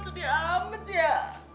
sedih amat ya